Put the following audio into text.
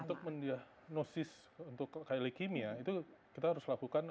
untuk mendianosis untuk leukemia itu kita harus lakukan apa